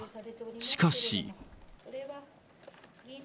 しかし。